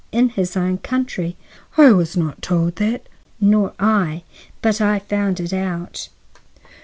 "In his own country." "I was not told that." "Nor I. But I found it out."